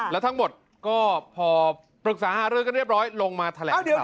แล้วทั้งหมดก็พอปรึกษาหารือกันเรียบร้อยลงมาแถลงดีกว่า